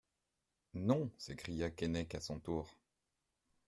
Non, s'écria Keinec à son tour.